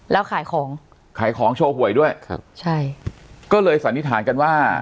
แล้วขายของขายของโชว์หวยด้วยครับใช่ก็เลยสันนิษฐานกันว่า